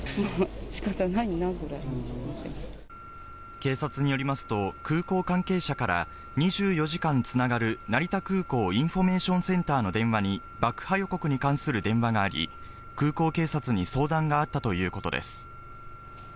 警察によりますと、空港関係者から２４時間つながる成田空港インフォメーションセンターの電話に爆破予告に関する電話があり、空港警察に相談があったということです。